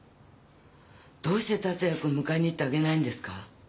どうして達也君迎えに行ってあげないんですか？